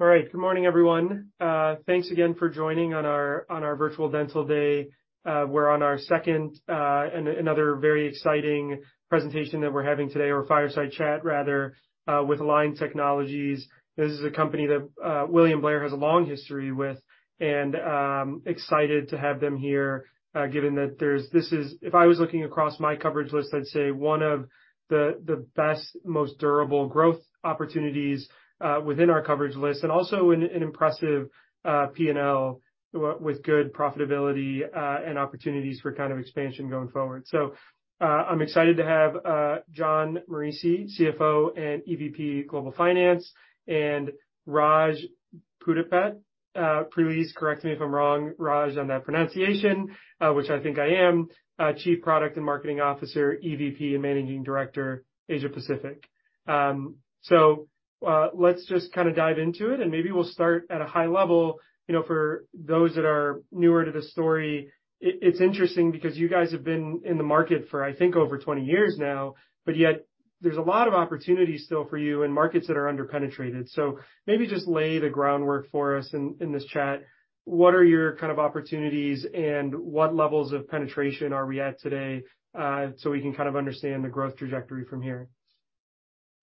All right. Good morning, everyone. Thanks again for joining on our, on our virtual dental day. We're on our second, and another very exciting presentation that we're having today, or fireside chat rather, with Align Technology. This is a company that William Blair has a long history with and, excited to have them here, given that this is... If I was looking across my coverage list, I'd say one of the best, most durable growth opportunities, within our coverage list and also an impressive P&L with good profitability, and opportunities for kind of expansion going forward. I'm excited to have John Morici, CFO and EVP Global Finance, and Raj Pudipeddi. Please correct me if I'm wrong, Raj, on that pronunciation, which I think I am. Chief Product and Marketing Officer, EVP and Managing Director, Asia Pacific. Let's just kind of dive into it, and maybe we'll start at a high level. You know, for those that are newer to the story, it's interesting because you guys have been in the market for, I think, over 20 years now, but yet there's a lot of opportunities still for you and markets that are under-penetrated. Maybe just lay the groundwork for us in this chat. What are your kind of opportunities and what levels of penetration are we at today, so we can kind of understand the growth trajectory from here? Yeah,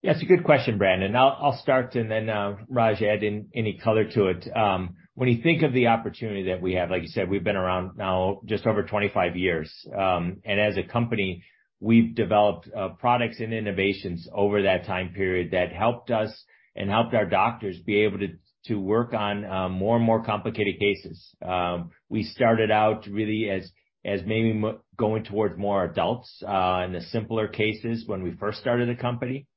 it's a good question, Brandon. I'll start and then Raj, add any color to it. When you think of the opportunity that we have, like you said, we've been around now just over 25 years. As a company, we've developed products and innovations over that time period that helped us and helped our doctors be able to work on more and more complicated cases. We started out really as maybe going towards more adults in the simpler cases when we first started the company.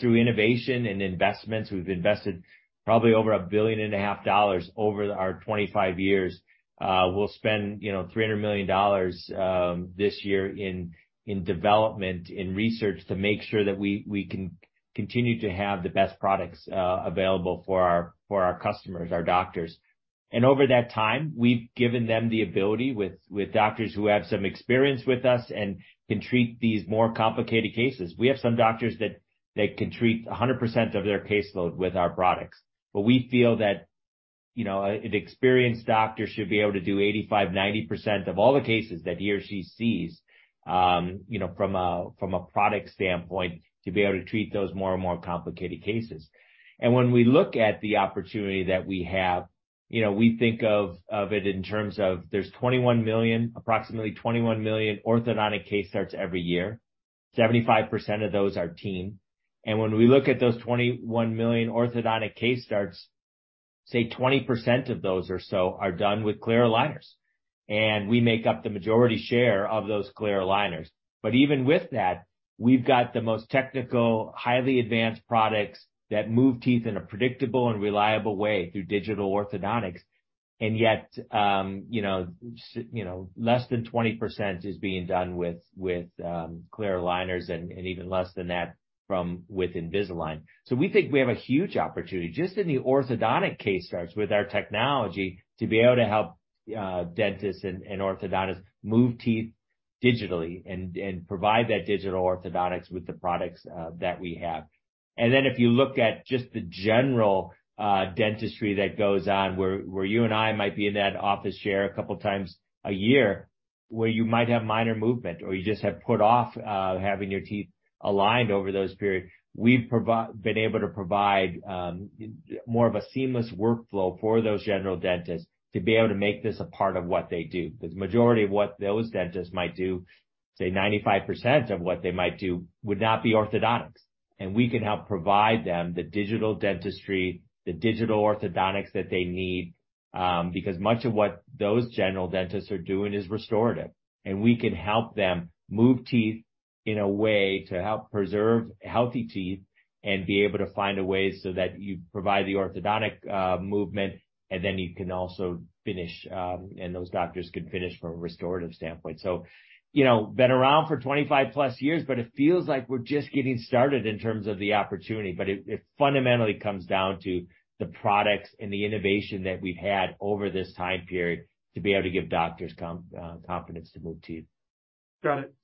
Through innovation and investments, we've invested probably over a billion and a half dollars over our 25 years. We'll spend, you know, $300 million this year in development and research to make sure that we can continue to have the best products available for our customers, our doctors. Over that time, we've given them the ability with doctors who have some experience with us and can treat these more complicated cases. We have some doctors that they can treat 100% of their caseload with our products. We feel that, you know, an experienced doctor should be able to do 85%-90% of all the cases that he or she sees, you know, from a product standpoint, to be able to treat those more and more complicated cases. When we look at the opportunity that we have, you know, we think of it in terms of there's approximately 21 million orthodontic case starts every year. 75% of those are teen. When we look at those 21 million orthodontic case starts, say, 20% of those or so are done with clear aligners. We make up the majority share of those clear aligners. Even with that, we've got the most technical, highly advanced products that move teeth in a predictable and reliable way through digital orthodontics. Yet, you know, less than 20% is being done with clear aligners and even less than that from with Invisalign. We think we have a huge opportunity just in the orthodontic case starts with our technology to be able to help dentists and orthodontists move teeth digitally and provide that digital orthodontics with the products that we have. Then if you look at just the general dentistry that goes on, where you and I might be in that office chair a couple times a year, where you might have minor movement or you just have put off having your teeth aligned over those periods, we've been able to provide more of a seamless workflow for those general dentists to be able to make this a part of what they do. Majority of what those dentists might do, say 95% of what they might do, would not be orthodontics. We can help provide them the digital dentistry, the digital orthodontics that they need, because much of what those general dentists are doing is restorative. We can help them move teeth in a way to help preserve healthy teeth and be able to find a way so that you provide the orthodontic movement, and then you can also finish, and those doctors can finish from a restorative standpoint. You know, been around for 25+ years, but it feels like we're just getting started in terms of the opportunity. It fundamentally comes down to the products and the innovation that we've had over this time period to be able to give doctors confidence to move teeth. Got it.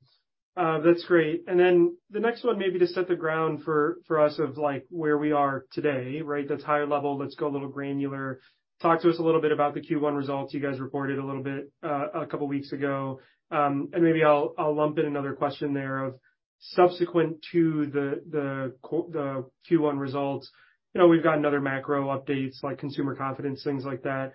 That's great. The next one may be to set the ground for us of like where we are today, right? That's higher level. Let's go a little granular. Talk to us a little bit about the Q1 results you guys reported a little bit a couple weeks ago. Maybe I'll lump in another question there of subsequent to the Q1 results. You know, we've got another macro updates like consumer confidence, things like that.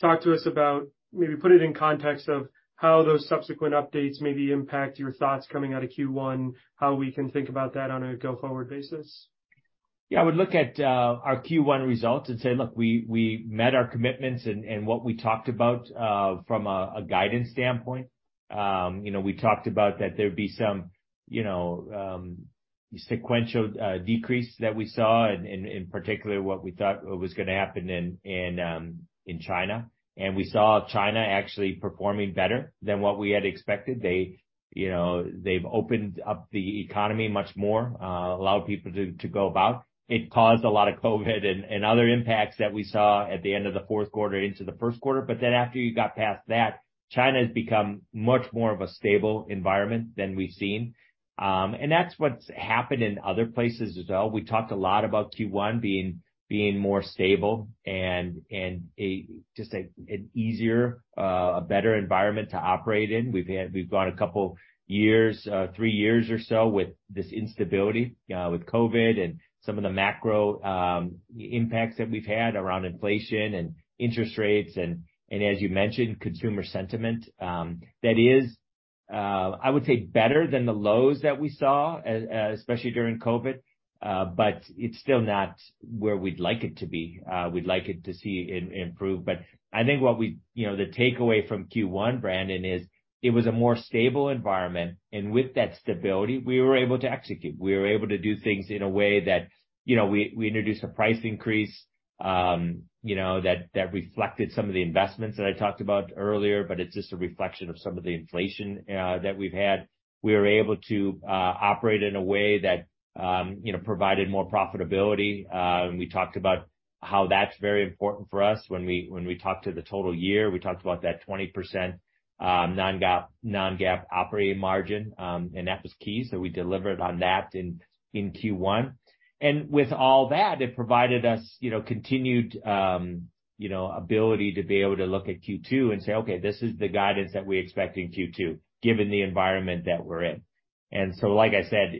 Talk to us about maybe put it in context of how those subsequent updates maybe impact your thoughts coming out of Q1, how we can think about that on a go-forward basis. Yeah, I would look at our Q1 results and say, look, we met our commitments and what we talked about from a guidance standpoint. You know, we talked about that there'd be some, you know, sequential decrease that we saw, in particular, what we thought was gonna happen in China. We saw China actually performing better than what we had expected. You know, they've opened up the economy much more, allowed people to go about. It caused a lot of COVID and other impacts that we saw at the end of the fourth quarter into the 1st quarter. After you got past that, China has become much more of a stable environment than we've seen. That's what's happened in other places as well. We talked a lot about Q1 being more stable and just a better environment to operate in. We've gone a couple years, three years or so with this instability, with COVID and some of the macro impacts that we've had around inflation and interest rates and as you mentioned, consumer sentiment, that is, I would say, better than the lows that we saw especially during COVID. It's still not where we'd like it to be. We'd like it to see improve. You know, the takeaway from Q1, Brandon, is it was a more stable environment, and with that stability, we were able to execute. We were able to do things in a way that... You know, we introduced a price increase, you know, that reflected some of the investments that I talked about earlier, but it's just a reflection of some of the inflation that we've had. We were able to operate in a way that, you know, provided more profitability. We talked about how that's very important for us when we, when we talked to the total year. We talked about that 20% non-GAAP operating margin, and that was key. We delivered on that in Q1. With all that, it provided us, you know, continued, you know, ability to be able to look at Q2 and say, "Okay, this is the guidance that we expect in Q2, given the environment that we're in." Like I said,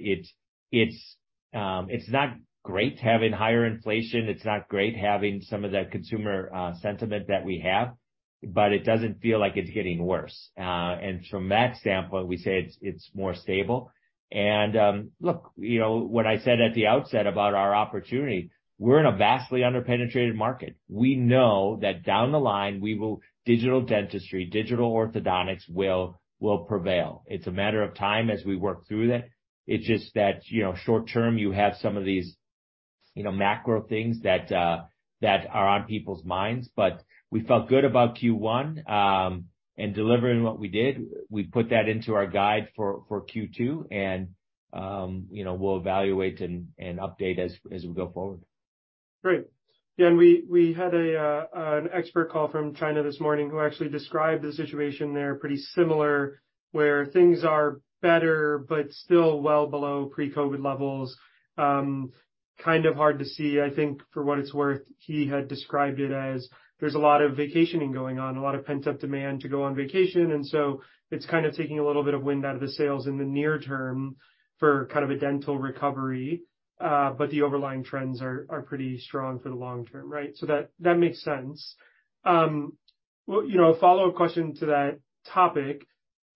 it's not great having higher inflation. It's not great having some of that consumer sentiment that we have, but it doesn't feel like it's getting worse. From that standpoint, we say it's more stable. Look, you know, what I said at the outset about our opportunity, we're in a vastly under-penetrated market. We know that down the line, digital dentistry, digital orthodontics will prevail. It's a matter of time as we work through that. It's just that, you know, short term, you have some of these, you know, macro things that are on people's minds. We felt good about Q1 and delivering what we did. We put that into our guide for Q2, and, you know, we'll evaluate and update as we go forward. Great. Yeah. We, we had an expert call from China this morning who actually described the situation there pretty similar, where things are better but still well below pre-COVID levels. Kind of hard to see. I think for what it's worth, he had described it as there's a lot of vacationing going on, a lot of pent-up demand to go on vacation, and so it's kind of taking a little bit of wind out of the sails in the near term for kind of a dental recovery. The overlying trends are pretty strong for the long term, right? That, that makes sense. Well, you know, a follow-up question to that topic.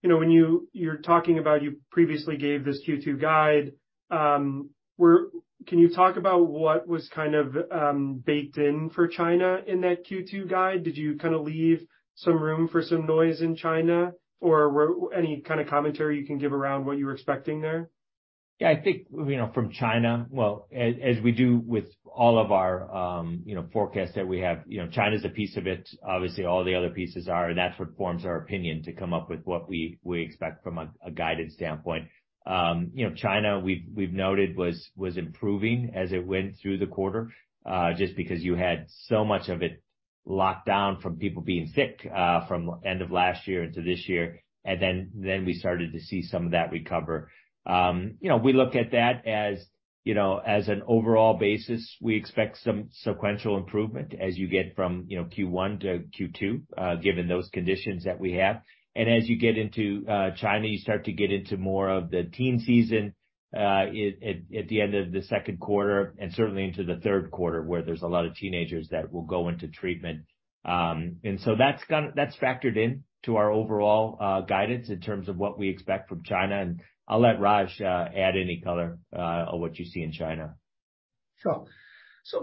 You know, when you're talking about you previously gave this Q2 guide, can you talk about what was kind of baked in for China in that Q2 guide? Did you kinda leave some room for some noise in China, or any kind of commentary you can give around what you were expecting there? Yeah. I think, you know, from China. Well, as we do with all of our, you know, forecasts that we have, you know, China's a piece of it. Obviously, all the other pieces are, that's what forms our opinion to come up with what we expect from a guided standpoint. You know, China, we've noted was improving as it went through the quarter, just because you had so much of it locked down from people being sick from end of last year into this year. Then we started to see some of that recover. You know, we look at that as, you know, as an overall basis. We expect some sequential improvement as you get from, you know, Q1-Q2 given those conditions that we have. As you get into China, you start to get into more of the teen season at the end of the second quarter and certainly into the third quarter, where there's a lot of teenagers that will go into treatment. So that's factored in to our overall guidance in terms of what we expect from China, I'll let Raj add any color on what you see in China. Sure.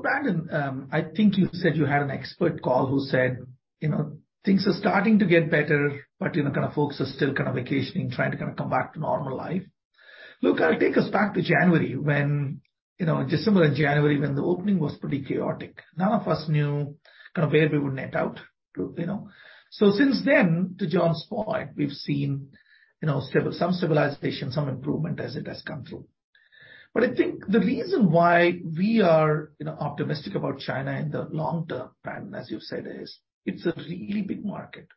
Brandon, I think you said you had an expert call who said, you know, things are starting to get better, but, you know, kind of folks are still kind of vacationing, trying to kind of come back to normal life. Look, I'll take us back to January when, you know, December and January when the opening was pretty chaotic. None of us knew kind of where we would net out to, you know. Since then, to John's point, we've seen, you know, some stabilization, some improvement as it has come through. I think the reason why we are, you know, optimistic about China in the long term, Brandon, as you've said, is it's a really big market.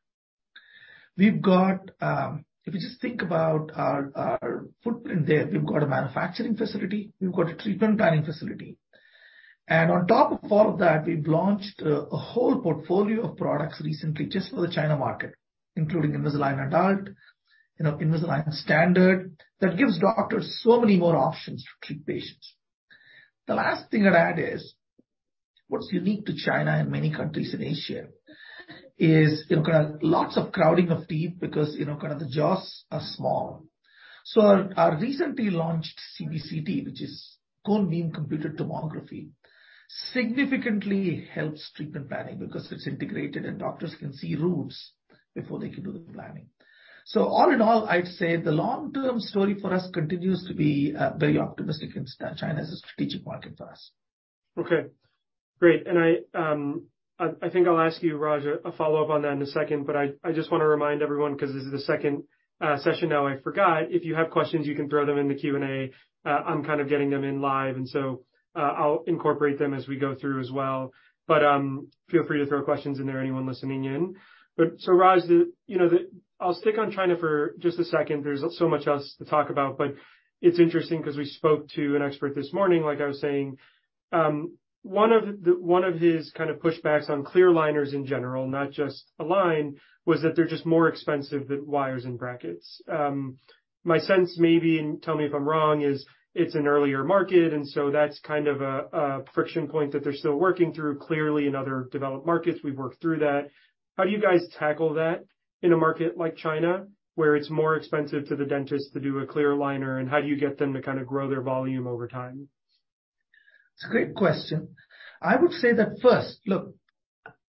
We've got, if you just think about our footprint there, we've got a manufacturing facility, we've got a treatment planning facility. On top of all of that, we've launched a whole portfolio of products recently just for the China market, including Invisalign Adult, you know, Invisalign Standard, that gives doctors so many more options to treat patients. The last thing I'd add is, what's unique to China and many countries in Asia is, you know, kind of lots of crowding of teeth because, you know, kind of the jaws are small. Our recently launched CBCT, which is cone-beam computed tomography, significantly helps treatment planning because it's integrated and doctors can see roots before they can do the planning. All in all, I'd say the long-term story for us continues to be very optimistic and China is a strategic market for us. Okay, great. I think I'll ask you, Raj, a follow-up on that in a second, but I just wanna remind everyone, 'cause this is the second session now, I forgot, if you have questions, you can throw them in the Q&A. I'm kind of getting them in live, and so I'll incorporate them as we go through as well. Feel free to throw questions in there anyone listening in. Raj, you know, I'll stick on China for just a second. There's so much else to talk about, but it's interesting 'cause we spoke to an expert this morning, like I was saying. One of the one of his kind of pushbacks on clear aligners in general, not just Align, was that they're just more expensive than wires and brackets. My sense maybe, and tell me if I'm wrong, is it's an earlier market and so that's kind of a friction point that they're still working through. Clearly in other developed markets we've worked through that. How do you guys tackle that in a market like China, where it's more expensive to the dentist to do a clear aligner, and how do you get them to kinda grow their volume over time? It's a great question. I would say that first, look,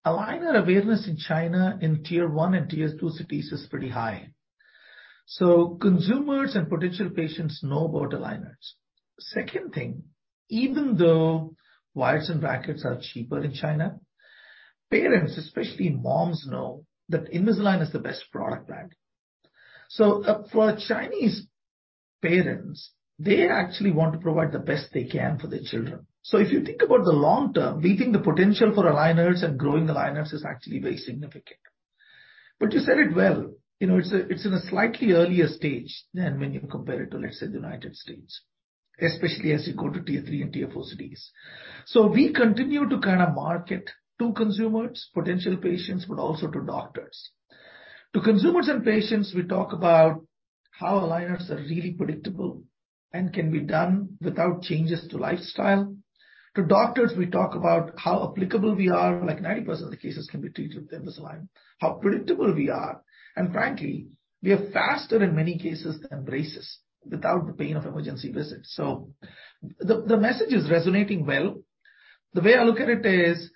aligner awareness in China in Tier 1 and Tier 2 cities is pretty high. Consumers and potential patients know about aligners. Second thing, even though wires and brackets are cheaper in China, parents, especially moms, know that Invisalign is the best product brand. For Chinese parents, they actually want to provide the best they can for their children. If you think about the long term, we think the potential for aligners and growing aligners is actually very significant. You said it well, you know, it's in a slightly earlier stage than when you compare it to, let's say, the United States, especially as you go to Tier 3 and Tier 4 cities. We continue to kind of market to consumers, potential patients, but also to doctors. To consumers and patients, we talk about how aligners are really predictable and can be done without changes to lifestyle. To doctors, we talk about how applicable we are, like 90% of the cases can be treated with Invisalign, how predictable we are, and frankly, we are faster in many cases than braces without the pain of emergency visits. The message is resonating well. The way I look at it is,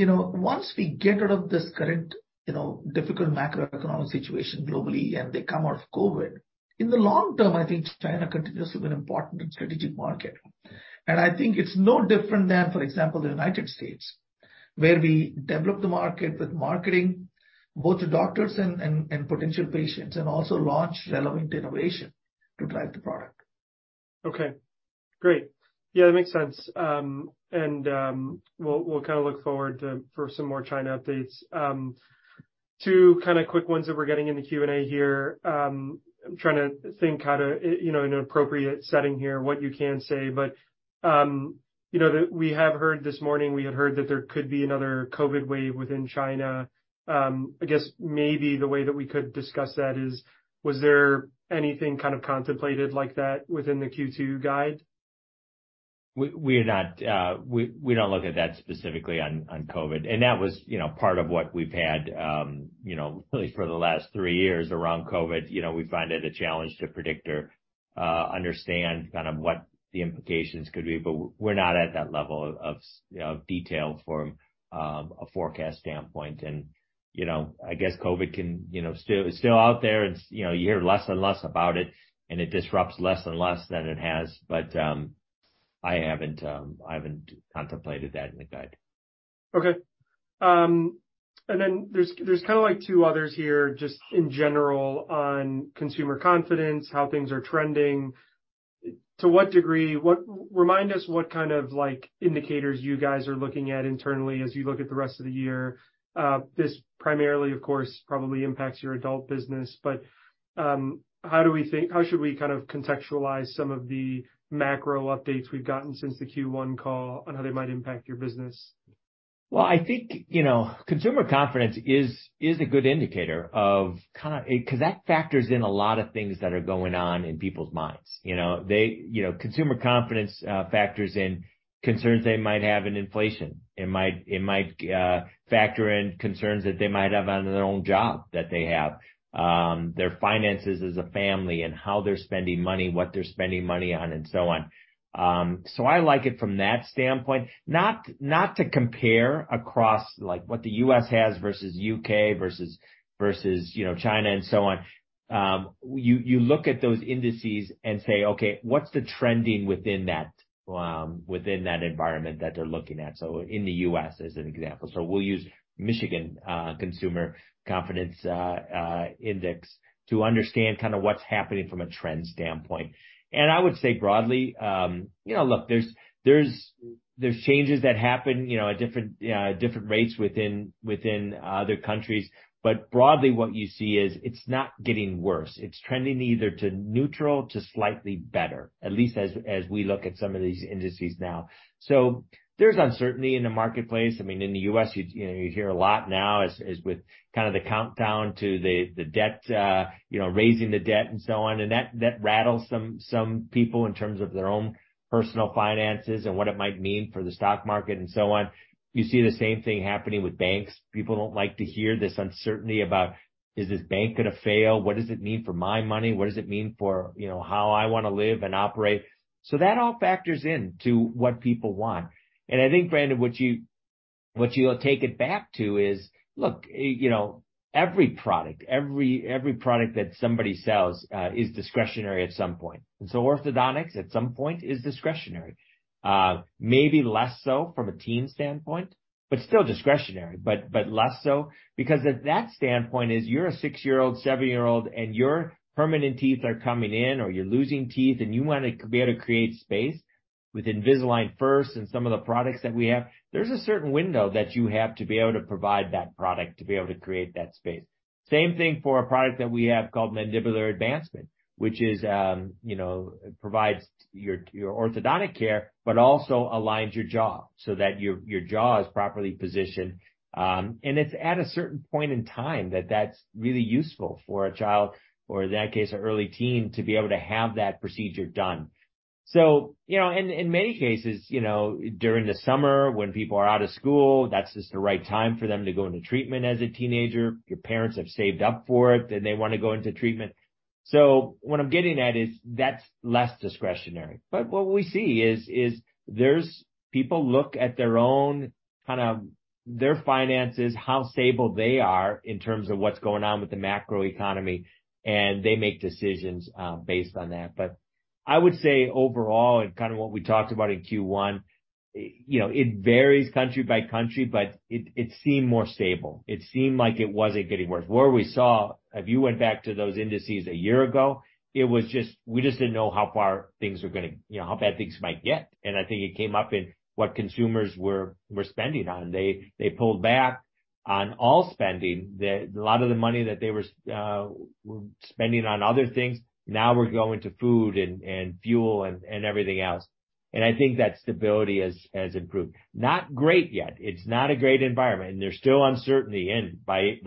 you know, once we get out of this current, you know, difficult macroeconomic situation globally and they come out of COVID, in the long term, I think China continues to be an important and strategic market. I think it's no different than, for example, the United States, where we develop the market with marketing, both to doctors and, and potential patients, and also launch relevant innovation to drive the product. Okay, great. Yeah, that makes sense. We'll, we'll kinda look forward to for some more China updates. Two kinda quick ones that we're getting in the Q&A here. I'm trying to think how to, you know, in an appropriate setting here, what you can say. You know, we have heard this morning, we had heard that there could be another COVID wave within China. I guess maybe the way that we could discuss that is, was there anything kind of contemplated like that within the Q2 guide? We are not, we don't look at that specifically on COVID. That was, you know, part of what we've had, you know, at least for the last three years around COVID. You know, we find it a challenge to predict or understand kind of what the implications could be, but we're not at that level of, you know, detail from a forecast standpoint. You know, I guess COVID can, you know. It's still out there. It's, you know, you hear less and less about it, and it disrupts less and less than it has, but I haven't contemplated that in the guide. Okay. There's kinda like two others here, just in general, on consumer confidence, how things are trending. To what degree, Remind us what kind of like indicators you guys are looking at internally as you look at the rest of the year. This primarily, of course, probably impacts your adult business, but, how should we kind of contextualize some of the macro updates we've gotten since the Q1 call on how they might impact your business? I think, you know, consumer confidence is a good indicator of kinda. That factors in a lot of things that are going on in people's minds, you know? They, you know, consumer confidence factors in concerns they might have in inflation. It might factor in concerns that they might have on their own job that they have, their finances as a family and how they're spending money, what they're spending money on and so on. I like it from that standpoint. Not, not to compare across like what the U.S. has versus U.K. versus, you know, China and so on. You look at those indices and say, "Okay, what's the trending within that environment that they're looking at?" In the U.S., as an example, we'll use Michigan Consumer Confidence Index to understand kinda what's happening from a trend standpoint. I would say broadly, you know, look, there's changes that happen, you know, at different rates within other countries, but broadly what you see is it's not getting worse. It's trending either to neutral to slightly better, at least as we look at some of these indices now. There's uncertainty in the marketplace. I mean, in the U.S., you know, you hear a lot now as with kind of the countdown to the debt, you know, raising the debt and so on, and that rattles some people in terms of their own personal finances and what it might mean for the stock market and so on. You see the same thing happening with banks. People don't like to hear this uncertainty about, "Is this bank gonna fail? What does it mean for my money? What does it mean for, you know, how I wanna live and operate?" That all factors in to what people want. I think, Brandon, what you'll take it back to is, look, you know, every product, every product that somebody sells, is discretionary at some point. Orthodontics at some point is discretionary. Maybe less so from a teen standpoint, but still discretionary, but less so. At that standpoint is you're a six-year-old, seven-year-old, and your permanent teeth are coming in or you're losing teeth, and you wanna be able to create space with Invisalign First and some of the products that we have, there's a certain window that you have to be able to provide that product to be able to create that space. Same thing for a product that we have called Mandibular Advancement, which is, you know, provides your orthodontic care, but also aligns your jaw so that your jaw is properly positioned. It's at a certain point in time that that's really useful for a child, or in that case, an early teen, to be able to have that procedure done. You know, and in many cases, you know, during the summer when people are out of school, that's just the right time for them to go into treatment as a teenager. Your parents have saved up for it, and they wanna go into treatment. What I'm getting at is that's less discretionary. What we see is there's people look at their own kind of their finances, how stable they are in terms of what's going on with the macroeconomy, and they make decisions based on that. I would say overall, and kind of what we talked about in Q1, you know, it varies country by country, but it seemed more stable. It seemed like it wasn't getting worse. Where we saw, if you went back to those indices a year ago, it was just, we just didn't know how far things were gonna, you know, how bad things might get, and I think it came up in what consumers were spending on. They, they pulled back on all spending. A lot of the money that they were spending on other things now were going to food and fuel and everything else. I think that stability has improved. Not great yet. It's not a great environment, and there's still uncertainty, by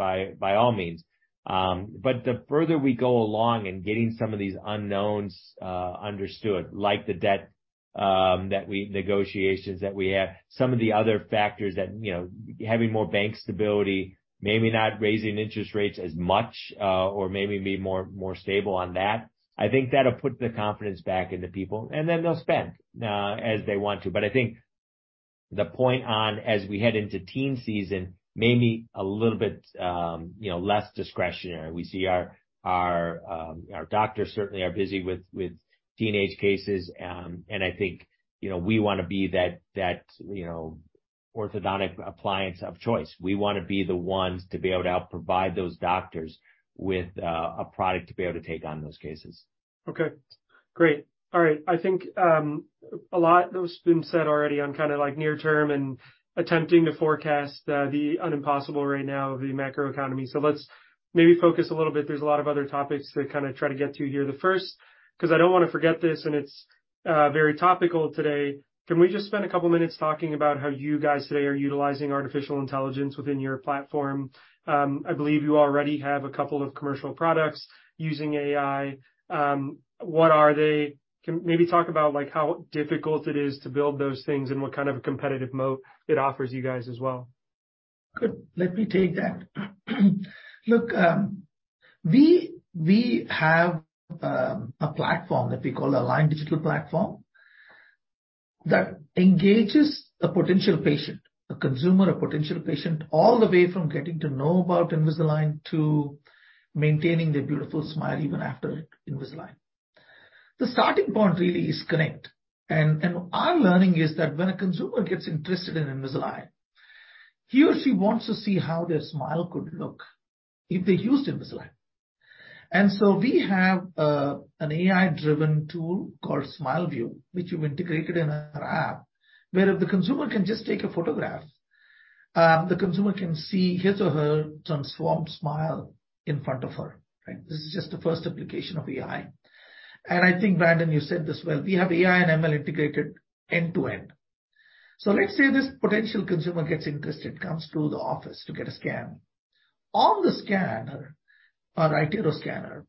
all means. The further we go along in getting some of these unknowns understood, like the debt, that we... Negotiations that we have, some of the other factors that, you know, having more bank stability, maybe not raising interest rates as much, or maybe being more stable on that, I think that'll put the confidence back into people, they'll spend as they want to. I think the point on as we head into teen season, maybe a little bit, you know, less discretionary. We see our doctors certainly are busy with teenage cases. I think, you know, we wanna be that, you know, orthodontic appliance of choice. We wanna be the ones to be able to help provide those doctors with a product to be able to take on those cases. Okay. Great. All right. I think, a lot that has been said already on kinda like near term and attempting to forecast, the impossible right now, the macroeconomy. Let's maybe focus a little bit. There's a lot of other topics to kinda try to get to here. The first, 'cause I don't wanna forget this, and it's, very topical today, can we just spend a couple minutes talking about how you guys today are utilizing artificial intelligence within your platform? I believe you already have a couple of commercial products using AI. What are they? Can you maybe talk about like how difficult it is to build those things and what kind of a competitive moat it offers you guys as well? Good. Let me take that. Look, we have a platform that we call Align Digital Platform that engages a potential patient, a consumer or potential patient, all the way from getting to know about Invisalign to maintaining their beautiful smile even after Invisalign. The starting point really is connect. Our learning is that when a consumer gets interested in Invisalign, he or she wants to see how their smile could look if they used Invisalign. So we have an AI-driven tool called SmileView, which we've integrated in our app, where if the consumer can just take a photograph, the consumer can see his or her transformed smile in front of her. Right? This is just the 1st application of AI. I think, Brandon, you said this well. We have AI and ML integrated end to end. Let's say this potential consumer gets interested, comes to the office to get a scan. On the scanner, our iTero scanner,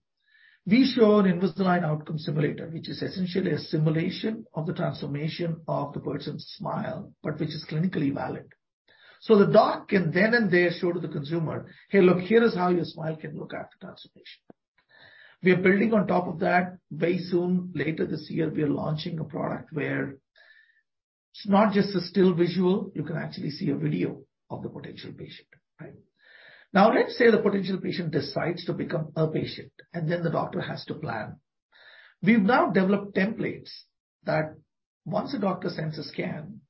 we show an Invisalign Outcome Simulator, which is essentially a simulation of the transformation of the person's smile, but which is clinically valid. The doc can then and there show to the consumer, "Hey, look, here is how your smile can look after transformation." We are building on top of that very soon. Later this year, we are launching a product where it's not just a still visual, you can actually see a video of the potential patient, right? Let's say the potential patient decides to become a patient, and then the doctor has to plan. We've now developed templates that once a doctor sends a scan,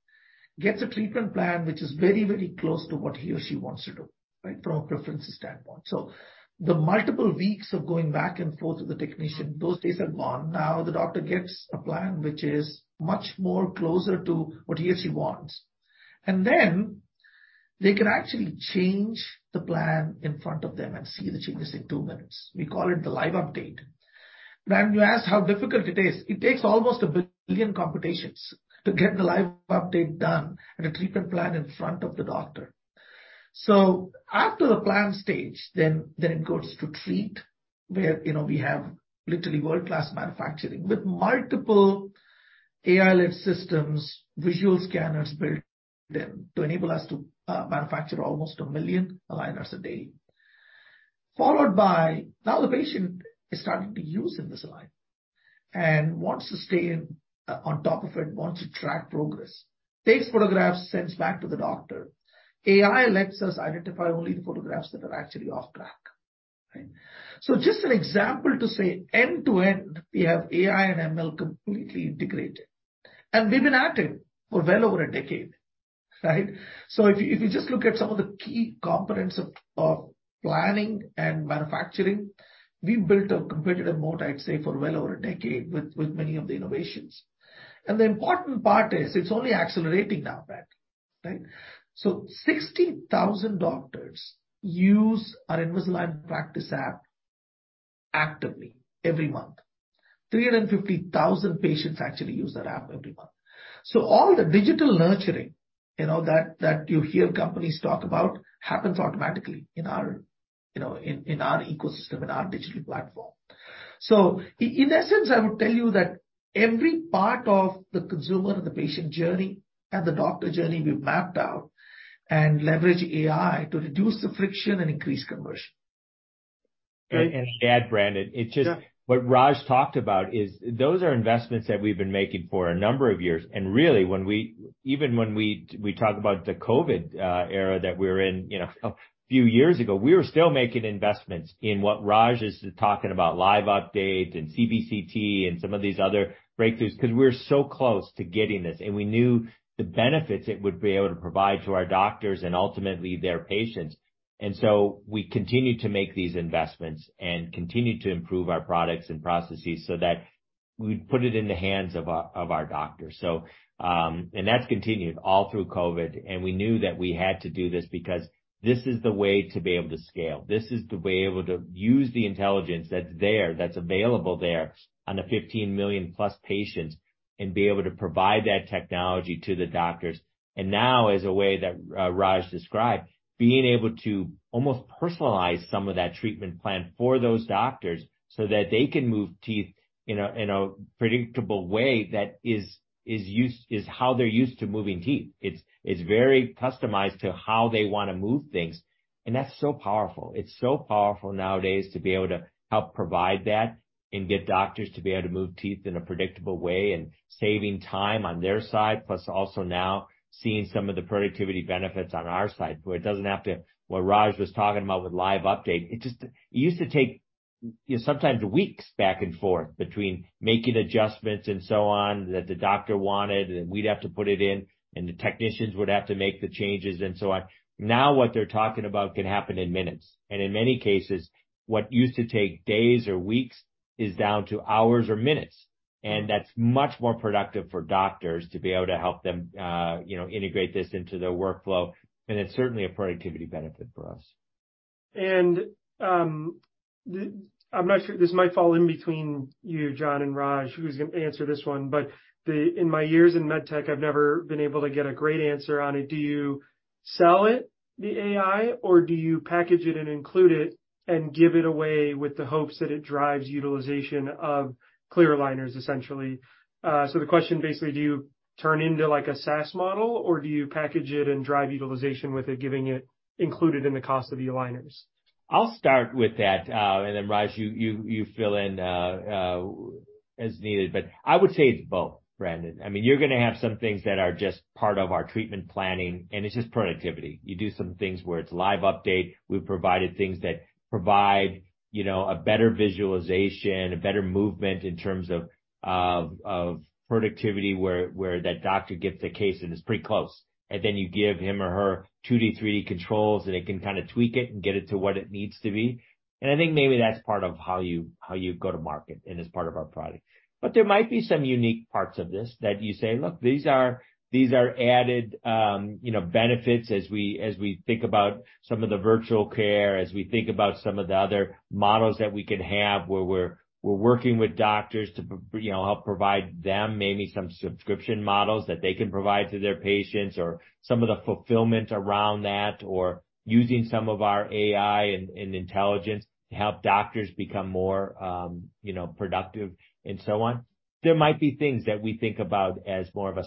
gets a treatment plan which is very, very close to what he or she wants to do, right? From a preferences standpoint. The multiple weeks of going back and forth with the technician, those days are gone. Now, the doctor gets a plan which is much more closer to what he or she wants. Then they can actually change the plan in front of them and see the changes in two minutes. We call it the Live Update. Brandon, you asked how difficult it is. It takes almost 1 billion computations to get the Live Update done and a treatment plan in front of the doctor. After the plan stage, then it goes to treat, where, you know, we have literally world-class manufacturing with multiple AI-led systems, visual scanners built in to enable us to manufacture almost 1 million aligners a day. Followed by now the patient is starting to use Invisalign. Wants to stay on top of it, wants to track progress. Takes photographs, sends back to the doctor. AI lets us identify only the photographs that are actually off track. Right? Just an example to say end-to-end, we have AI and ML completely integrated. We've been at it for well over a decade, right? If you just look at some of the key components of planning and manufacturing, we built a competitive mode, I'd say, for well over a decade with many of the innovations. The important part is it's only accelerating now, Brandon, right? 60,000 doctors use our Invisalign Practice App actively every month. 350,000 patients actually use that app every month. All the digital nurturing, you know, that you hear companies talk about happens automatically in our, you know, in our ecosystem, in our Digital Platform. In essence, I would tell you that every part of the consumer and the patient journey and the doctor journey we've mapped out and leverage AI to reduce the friction and increase conversion. to add, Brandon, it's just... Yeah. What Raj talked about is those are investments that we've been making for a number of years. Really, even when we talk about the COVID era that we're in, you know, a few years ago, we were still making investments in what Raj is talking about, Live Update and CBCT and some of these other breakthroughs, 'cause we're so close to getting this. We knew the benefits it would be able to provide to our doctors and ultimately their patients. We continued to make these investments and continued to improve our products and processes so that we'd put it in the hands of our doctors. That's continued all through COVID, and we knew that we had to do this because this is the way to be able to scale. This is the way to able to use the intelligence that's there, that's available there on the 15 million+ patients and be able to provide that technology to the doctors. Now, as a way that, Raj described, being able to almost personalize some of that treatment plan for those doctors so that they can move teeth in a predictable way that is how they're used to moving teeth. It's very customized to how they wanna move things, and that's so powerful. It's so powerful nowadays to be able to help provide that and get doctors to be able to move teeth in a predictable way and saving time on their side, plus also now seeing some of the productivity benefits on our side, where it doesn't have to... What Raj was talking about with Live Update, it used to take, you know, sometimes weeks back and forth between making adjustments and so on that the doctor wanted, and we'd have to put it in, and the technicians would have to make the changes, and so on. Now what they're talking about can happen in minutes. In many cases, what used to take days or weeks is down to hours or minutes. That's much more productive for doctors to be able to help them, you know, integrate this into their workflow. It's certainly a productivity benefit for us. I'm not sure, this might fall in between you, John, and Raj, who's gonna answer this one. In my years in med tech, I've never been able to get a great answer on it. Do you sell it, the AI, or do you package it and include it and give it away with the hopes that it drives utilization of clear aligners, essentially? The question basically, do you turn into like a SaaS model, or do you package it and drive utilization with it, giving it included in the cost of the aligners? I'll start with that, and then Raj Pudipeddi, you fill in as needed. I would say it's both, Brandon. I mean, you're gonna have some things that are just part of our treatment planning, and it's just productivity. You do some things where it's Live Update. We've provided things that provide, you know, a better visualization, a better movement in terms of productivity, where that doctor gets a case and it's pretty close. Then you give him or her 2D, 3D controls, and it can kinda tweak it and get it to what it needs to be. I think maybe that's part of how you go to market and is part of our product. There might be some unique parts of this that you say, "Look, these are added, you know, benefits as we think about some of the virtual care, as we think about some of the other models that we can have, where we're working with doctors to you know, help provide them maybe some subscription models that they can provide to their patients or some of the fulfillment around that, or using some of our AI and intelligence to help doctors become more, you know, productive and so on. There might be things that we think about as more of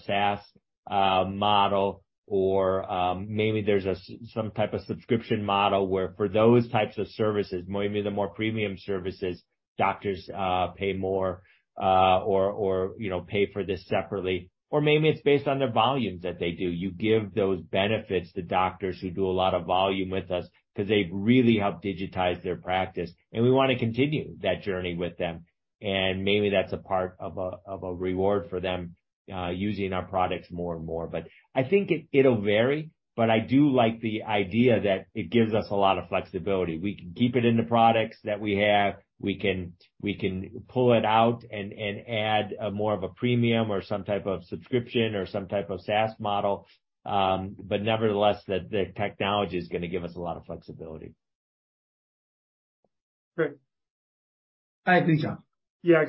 a SaaS model or, maybe there's some type of subscription model where for those types of services, maybe the more premium services, doctors pay more or, you know, pay for this separately. Maybe it's based on the volumes that they do. You give those benefits to doctors who do a lot of volume with us 'cause they've really helped digitize their practice, and we wanna continue that journey with them. Maybe that's a part of a reward for them using our products more and more. I think it'll vary, but I do like the idea that it gives us a lot of flexibility. We can keep it in the products that we have. We can pull it out and add a more of a premium or some type of subscription or some type of SaaS model. Nevertheless, the technology is gonna give us a lot of flexibility. Great. I agree, John. Yeah,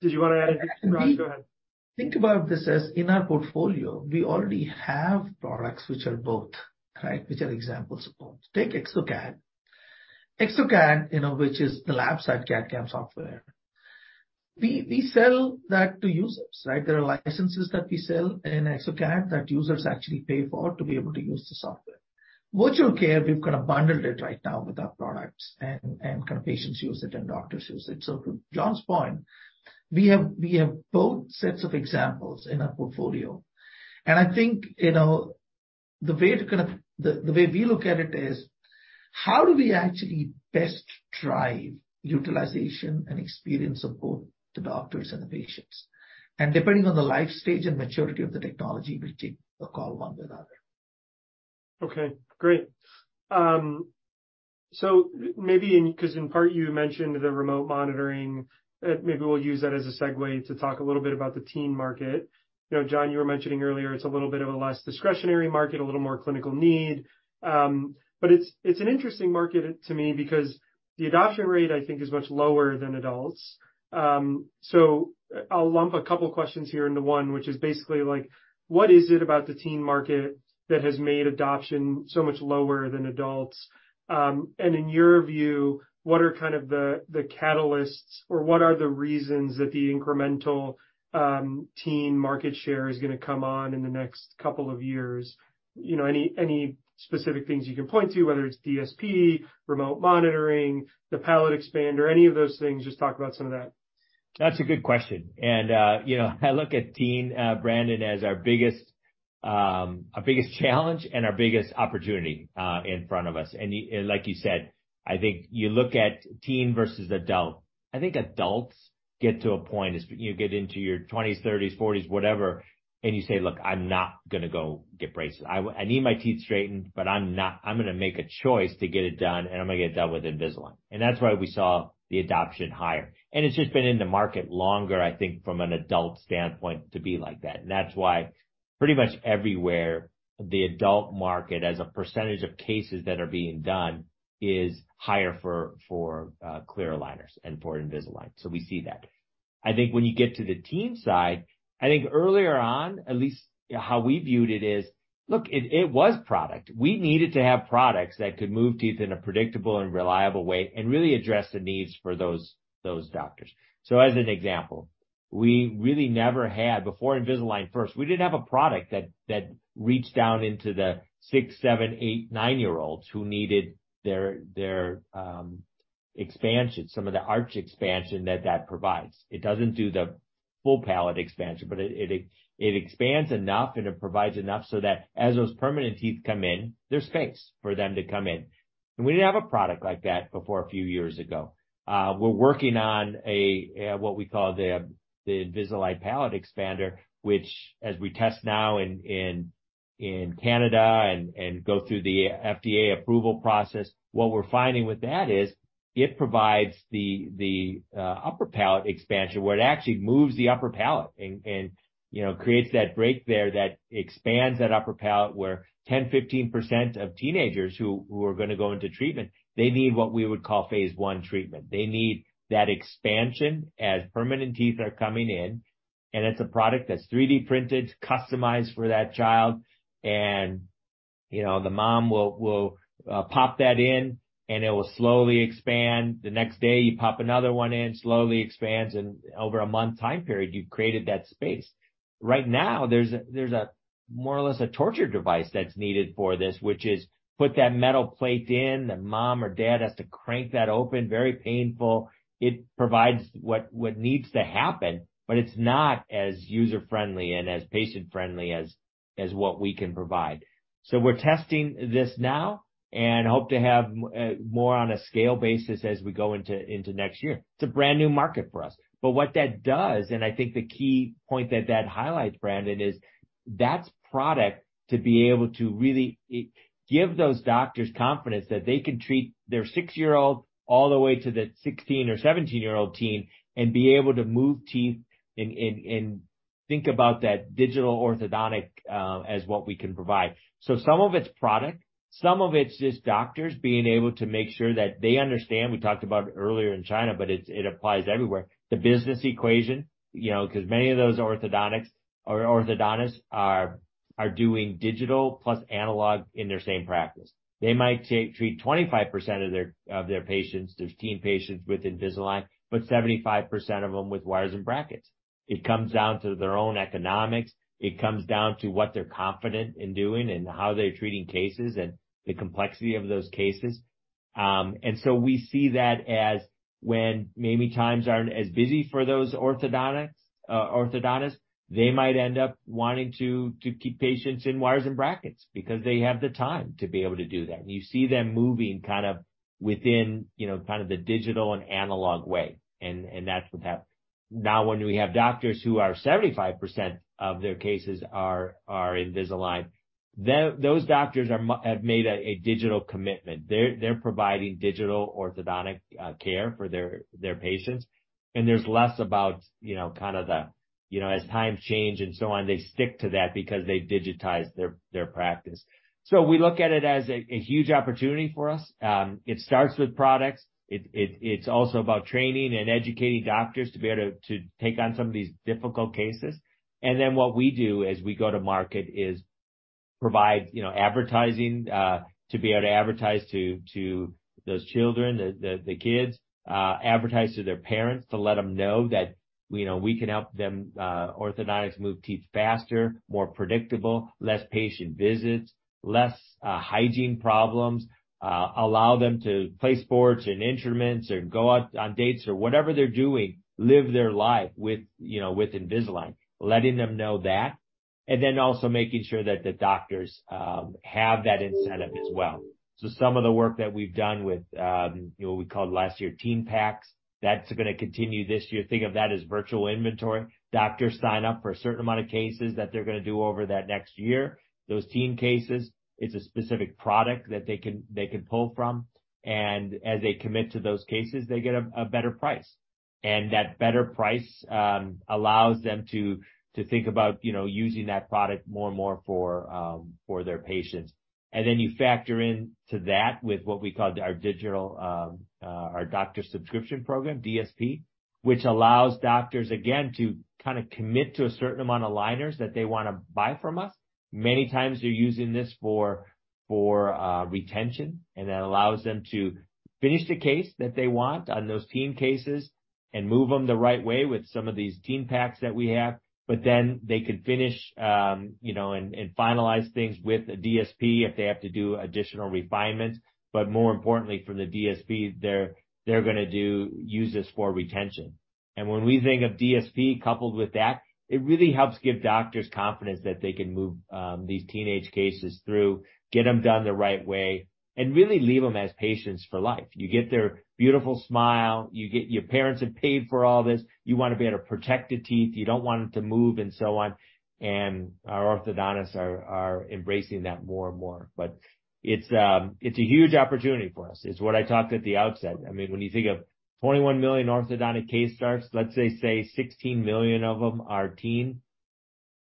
did you wanna add anything, Raj? Go ahead. Think about this as in our portfolio, we already have products which are both, right? Which are examples of both. Take exocad. exocad, you know, which is the lab-side CAD/CAM software, we sell that to users, right? There are licenses that we sell in exocad that users actually pay for to be able to use the software. Virtual Care, we've kind of bundled it right now with our products and kind of patients use it and doctors use it. To John's point, we have both sets of examples in our portfolio. I think, you know, the way to kind of the way we look at it is how do we actually best drive utilization and experience of both the doctors and the patients? Depending on the life stage and maturity of the technology, we take a call one or the other. Okay, great. So in part you mentioned the remote monitoring, maybe we'll use that as a segue to talk a little bit about the teen market. You know, John, you were mentioning earlier it's a little bit of a less discretionary market, a little more clinical need. It's, it's an interesting market to me because the adoption rate I think is much lower than adults. I'll lump a couple questions here into one, which is basically like what is it about the teen market that has made adoption so much lower than adults? In your view, what are kind of the catalysts or what are the reasons that the incremental teen market share is gonna come on in the next couple of years? You know, any specific things you can point to, whether it's DSP, remote monitoring, the palate expander, any of those things, just talk about some of that. That's a good question. You know, I look at teen, Brandon, as our biggest, our biggest challenge and our biggest opportunity in front of us. Like you said, I think you look at teen versus adult, I think adults get to a point as you get into your 20s, 30s, 40s, whatever, and you say, "Look, I'm not gonna go get braces. I need my teeth straightened, but I'm gonna make a choice to get it done, and I'm gonna get it done with Invisalign." That's why we saw the adoption higher. It's just been in the market longer, I think from an adult standpoint to be like that. That's why pretty much everywhere, the adult market as a percentage of cases that are being done is higher for clear aligners and for Invisalign. We see that. I think when you get to the teen side, I think earlier on, at least how we viewed it is, look, it was product. We needed to have products that could move teeth in a predictable and reliable way and really address the needs for those doctors. As an example, before Invisalign First, we didn't have a product that reached down into the six, seven, eight, nine-year-olds who needed their expansion, some of the arch expansion that that provides. It doesn't do the full palate expansion, but it expands enough and it provides enough so that as those permanent teeth come in, there's space for them to come in. We didn't have a product like that before a few years ago. We're working on a what we call the Invisalign Palatal Expander, which as we test now in Canada and go through the FDA approval process, what we're finding with that is it provides the upper palate expansion where it actually moves the upper palate and, you know, creates that break there that expands that upper palate, where 10%, 15% of teenagers who are gonna go into treatment, they need what we would call phase one treatment. They need that expansion as permanent teeth are coming in. It's a product that's 3D printed, customized for that child, and, you know, the mom will pop that in, and it will slowly expand. The next day you pop another one in, slowly expands, and over a month time period, you've created that space. Right now there's a more or less a torture device that's needed for this, which is put that metal plate in, the mom or dad has to crank that open, very painful. It provides what needs to happen, but it's not as user-friendly and as patient friendly as what we can provide. We're testing this now and hope to have more on a scale basis as we go into next year. It's a brand new market for us. What that does, and I think the key point that highlights, Brandon, is that's product to be able to really give those doctors confidence that they can treat their six-year-old all the way to the 16 or 17-year-old teen and be able to move teeth and think about that digital orthodontic as what we can provide. Some of it's product, some of it's just doctors being able to make sure that they understand. We talked about earlier in China, but it applies everywhere. The business equation, you know, 'cause many of those orthodontics or orthodontists are doing digital plus analog in their same practice. They might treat 25% of their patients, those teen patients with Invisalign, but 75% of them with wires and brackets. It comes down to their own economics. It comes down to what they're confident in doing and how they're treating cases and the complexity of those cases. We see that as when maybe times aren't as busy for those orthodontics, orthodontists, they might end up wanting to keep patients in wires and brackets because they have the time to be able to do that. You see them moving kind of within, you know, kind of the digital and analog way, and that's what. Now, when we have doctors who are 75% of their cases are Invisalign, those doctors have made a digital commitment. They're providing digital orthodontic care for their patients. There's less about, you know, kinda the, you know, as times change and so on, they stick to that because they've digitized their practice. We look at it as a huge opportunity for us. It starts with products. It's also about training and educating doctors to be able to take on some of these difficult cases. What we do as we go to market is provide, you know, advertising to be able to advertise to those children, the kids, advertise to their parents to let them know that, you know, we can help them, orthodontics move teeth faster, more predictable, less patient visits, less hygiene problems, allow them to play sports and instruments or go out on dates or whatever they're doing, live their life with, you know, with Invisalign, letting them know that. Also making sure that the doctors have that incentive as well. Some of the work that we've done with what we called last year teen packs, that's gonna continue this year. Think of that as virtual inventory. Doctors sign up for a certain amount of cases that they're gonna do over that next year. Those teen cases, it's a specific product that they can pull from. As they commit to those cases, they get a better price. That better price allows them to think about, you know, using that product more and more for their patients. Then you factor in to that with what we call our digital Doctor Subscription Program, DSP, which allows doctors again to kind of commit to a certain amount of aligners that they wanna buy from us. Many times, they're using this for retention, and that allows them to finish the case that they want on those teen cases and move them the right way with some of these teen packs that we have. They could finish, you know, and finalize things with the DSP if they have to do additional refinements. More importantly for the DSP, they're gonna use this for retention. When we think of DSP coupled with that, it really helps give doctors confidence that they can move these teenage cases through, get them done the right way, and really leave them as patients for life. You get their beautiful smile, you get, your parents have paid for all this, you wanna be able to protect the teeth, you don't want them to move and so on. Our orthodontists are embracing that more and more. It's a huge opportunity for us. It's what I talked at the outset. I mean, when you think of $21 million orthodontic case starts, let's say $16 million of them are teen.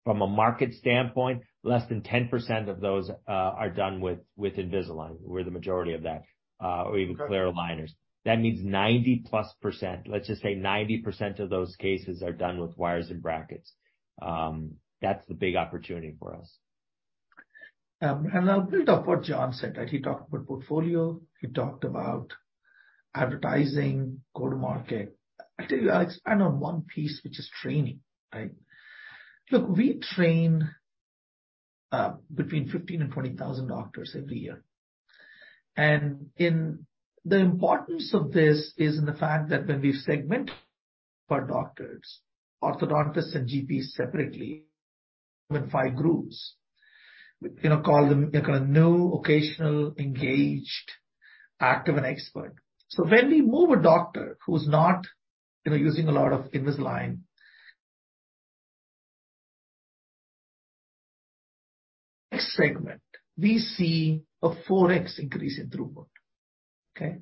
From a market standpoint, less than 10% of those are done with Invisalign, we're the majority of that, or even clear aligners. That means 90%+ let's just say 90% of those cases are done with wires and brackets. That's the big opportunity for us. I'll build up what John said, right? He talked about portfolio, he talked about advertising, go-to-market. I tell you, I'll expand on one piece, which is training, right? Look, we train between 15 and 20,000 doctors every year. The importance of this is in the fact that when we segment for doctors, orthodontists and GPs separately, when five groups, you know, call them like a new, occasional, engaged, active, and expert. When we move a doctor who's not, you know, using a lot of Invisalign segment, we see a 4x increase in throughput, okay?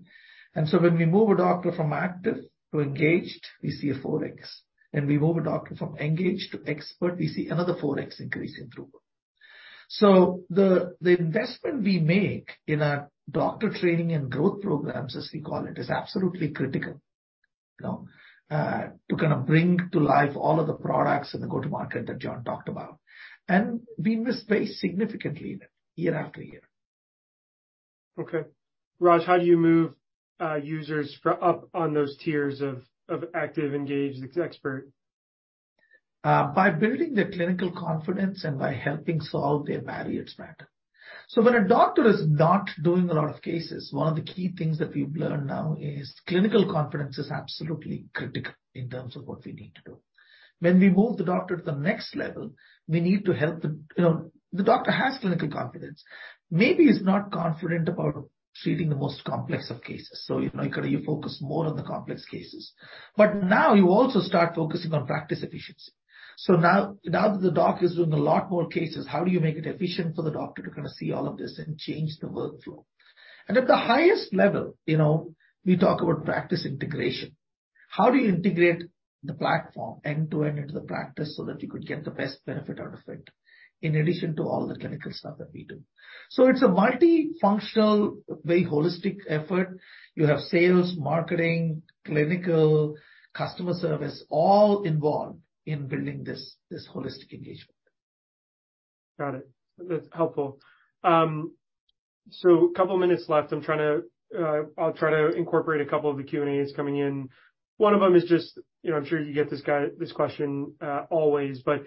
When we move a doctor from active to engaged, we see a 4x. When we move a doctor from engaged to expert, we see another 4x increase in throughput. The investment we make in our doctor training and growth programs, as we call it, is absolutely critical, you know, to kind of bring to life all of the products in the go-to-market that John talked about. We invest very significantly in it year after year. Okay. Raj, how do you move users for up on those tiers of active, engaged, ex-expert? By building their clinical confidence and by helping solve their barriers better. When a doctor is not doing a lot of cases, one of the key things that we've learned now is clinical confidence is absolutely critical in terms of what we need to do. When we move the doctor to the next level, we need to help. You know, the doctor has clinical confidence. Maybe he's not confident about treating the most complex of cases. You know, you gotta focus more on the complex cases. Now you also start focusing on practice efficiency. Now that the doctor is doing a lot more cases, how do you make it efficient for the doctor to kind of see all of this and change the workflow? At the highest level, you know, we talk about practice integration. How do you integrate the platform end-to-end into the practice so that you could get the best benefit out of it, in addition to all the clinical stuff that we do? It's a multifunctional, very holistic effort. You have sales, marketing, clinical, customer service, all involved in building this holistic engagement. Got it. That's helpful. Couple minutes left. I'm trying to I'll try to incorporate a couple of the Q&As coming in. One of them is just, you know, I'm sure you get this question always, but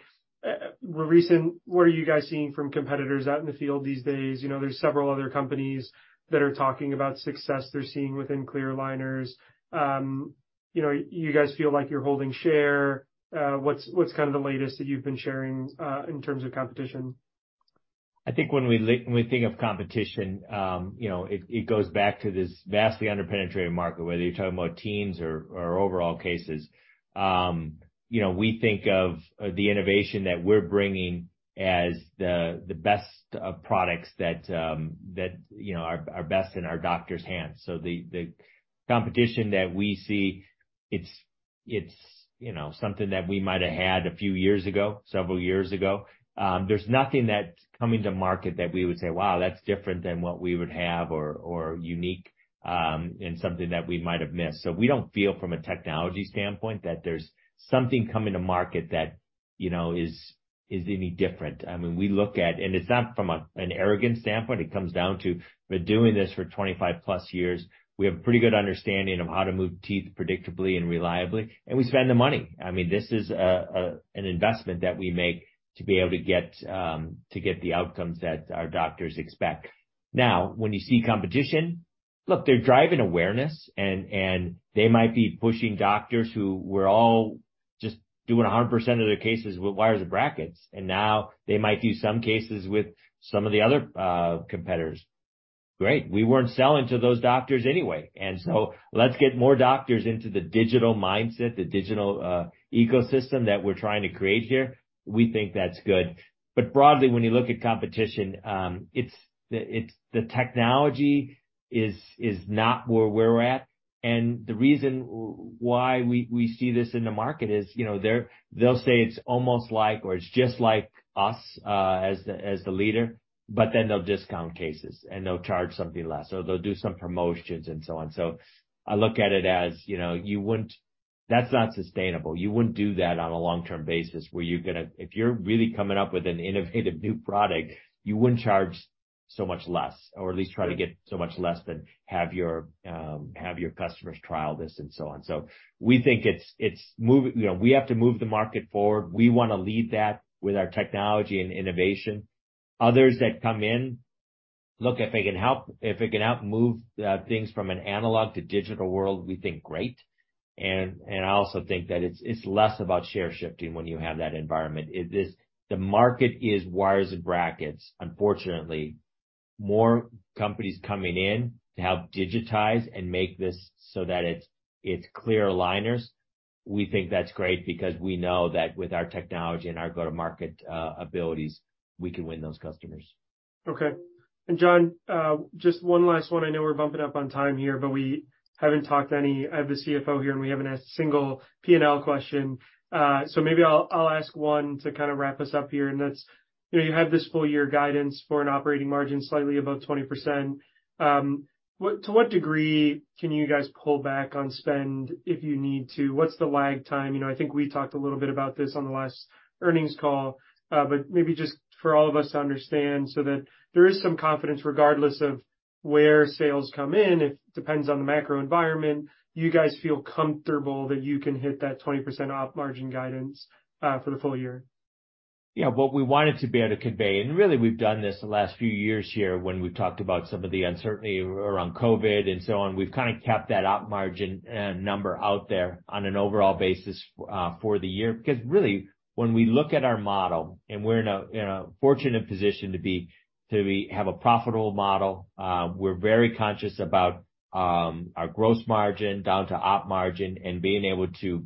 recent, what are you guys seeing from competitors out in the field these days? You know, there's several other companies that are talking about success they're seeing within clear aligners. You know, you guys feel like you're holding share. What's kind of the latest that you've been sharing in terms of competition? I think when we think of competition, you know, it goes back to this vastly under-penetrated market, whether you're talking about teens or overall cases. You know, we think of the innovation that we're bringing as the best products that, you know, are best in our doctors' hands. The competition that we see, it's, you know, something that we might've had a few years ago, several years ago. There's nothing that's coming to market that we would say, "Wow, that's different than what we would have," or unique, and something that we might have missed. We don't feel from a technology standpoint that there's something coming to market that you know, is any different. I mean, we look at... It's not from an arrogant standpoint. It comes down to we're doing this for 25+ years, we have pretty good understanding of how to move teeth predictably and reliably, and we spend the money. I mean, this is an investment that we make to be able to get to get the outcomes that our doctors expect. Now, when you see competition, look, they're driving awareness and they might be pushing doctors who were all just doing 100% of their cases with wires and brackets. Now they might do some cases with some of the other competitors. Great. We weren't selling to those doctors anyway. Let's get more doctors into the digital mindset, the digital ecosystem that we're trying to create here. We think that's good. Broadly, when you look at competition, it's the technology is not where we're at. The reason why we see this in the market is, you know, they'll say it's almost like or it's just like us, as the, as the leader, but then they'll discount cases, and they'll charge something less, or they'll do some promotions and so on. I look at it as, you know, That's not sustainable. You wouldn't do that on a long-term basis where you're gonna. If you're really coming up with an innovative new product, you wouldn't charge so much less, or at least try to get so much less than have your customers trial this and so on. We think it's moving. You know, we have to move the market forward. We wanna lead that with our technology and innovation. Others that come in, look, if they can help, if it can help move things from an analog to digital world, we think great. I also think that it's less about share shifting when you have that environment. The market is wires and brackets, unfortunately. More companies coming in to help digitize and make this so that it's clear aligners, we think that's great because we know that with our technology and our go-to-market abilities, we can win those customers. Okay. John, just one last one. I know we're bumping up on time here, but we haven't talked to any of the CFO here, and we haven't asked a single P&L question. Maybe I'll ask one to kind of wrap us up here, and that's, you know, you have this full year guidance for an operating margin slightly above 20%. To what degree can you guys pull back on spend if you need to? What's the lag time? You know, I think we talked a little bit about this on the last earnings call, but maybe just for all of us to understand so that there is some confidence regardless of where sales come in, it depends on the macro environment. Do you guys feel comfortable that you can hit that 20% op margin guidance for the full year? What we wanted to be able to convey, and really we've done this the last few years here when we talked about some of the uncertainty around COVID and so on, we've kinda kept that op margin number out there on an overall basis for the year. Really, when we look at our model and we're in a fortunate position to be have a profitable model, we're very conscious about our gross margin down to op margin and being able to,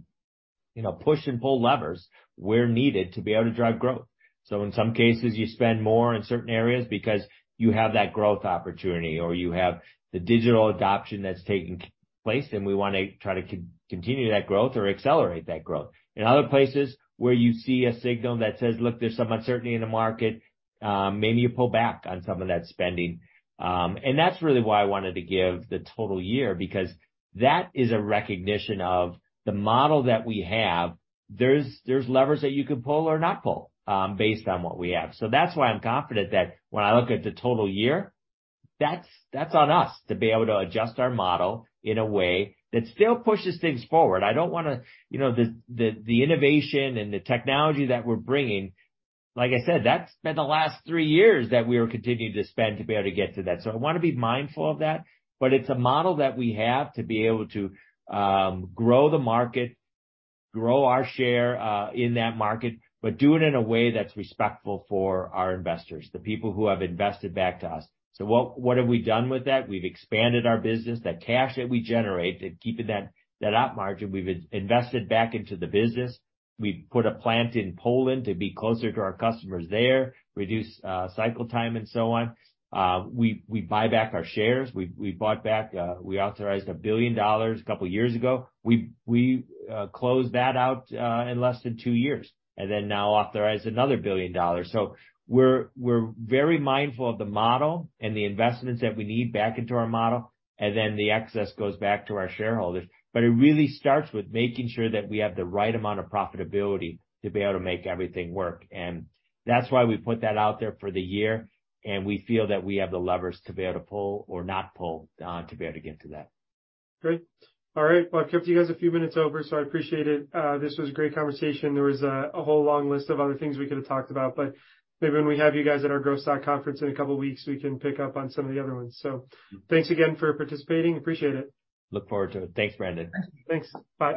you know, push and pull levers where needed to be able to drive growth. In some cases, you spend more in certain areas because you have that growth opportunity or you have the digital adoption that's taking place, and we wanna try to continue that growth or accelerate that growth. In other places where you see a signal that says, "Look, there's some uncertainty in the market," maybe you pull back on some of that spending. That's really why I wanted to give the total year because that is a recognition of the model that we have. There's levers that you can pull or not pull, based on what we have. That's why I'm confident that when I look at the total year, that's on us to be able to adjust our model in a way that still pushes things forward. You know, the innovation and the technology that we're bringing, like I said, that's been the last three years that we are continuing to spend to be able to get to that. I wanna be mindful of that, but it's a model that we have to be able to grow the market, grow our share in that market, but do it in a way that's respectful for our investors, the people who have invested back to us. What have we done with that? We've expanded our business. That cash that we generate to keeping that op margin, we've invested back into the business. We've put a plant in Poland to be closer to our customers there, reduce cycle time and so on. We buy back our shares. We bought back, we authorized $1 billion two years ago. We closed that out in less than two years. Now authorized another $1 billion. We're very mindful of the model and the investments that we need back into our model, and then the excess goes back to our shareholders. It really starts with making sure that we have the right amount of profitability to be able to make everything work. That's why we put that out there for the year, and we feel that we have the levers to be able to pull or not pull, to be able to get to that. Great. All right. Well, I kept you guys a few minutes over, so I appreciate it. This was a great conversation. There was a whole long list of other things we could have talked about. Maybe when we have you guys at our Growth Stock Conference in a couple of weeks, we can pick up on some of the other ones. Thanks again for participating. Appreciate it. Look forward to it. Thanks, Brandon. Thanks. Bye.